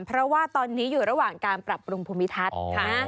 เพราะว่าตอนนี้อยู่ระหว่างการปรับปรุงภูมิทัศน์